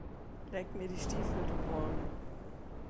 Leck mir die Stiefel, du Wurm!